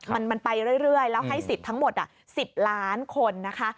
มันไปเรื่อยแล้วให้สิทธิ์ทั้งหมด๑๐ล้านคนนะคะ